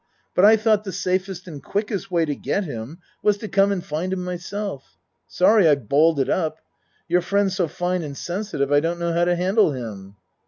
But I tho't the safest and quickest way to get him was to come and find him myself. Sorry I've balled it up. You're friend's so fine and sensitive I don't know how to handle him.